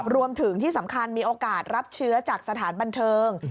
รวมถึงที่สำคัญมีโอกาสรับเชื้อจากสถานบันเทิง